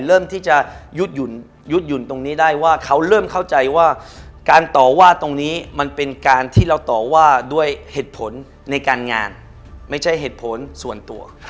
เริ่มที่จะยุดหยุ่นตรงนี้ได้ว่าเขาเริ่มเข้าใจว่าการต่อว่าตรงนี้มันเป็นการที่เราต่อว่าด้วยเหตุผลในการงานไม่ใช่เหตุผลส่วนตัว